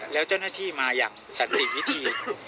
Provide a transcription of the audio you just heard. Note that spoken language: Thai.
แล้วเจ้าหน้าที่มาอย่างสันติวิธี